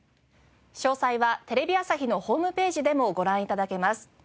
詳細はテレビ朝日のホームページでもご覧頂けます。